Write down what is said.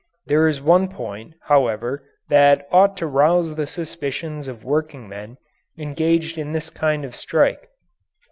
There is one point, however, that ought to rouse the suspicions of workingmen engaged in this kind of strike.